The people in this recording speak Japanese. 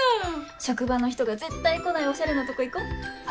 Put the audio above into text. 職場の人が絶対来ないおしゃれなとこ行こう。